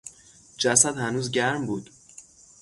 جسد هنوز گرم بود.